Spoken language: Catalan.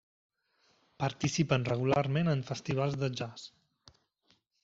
Participen regularment en festivals de jazz.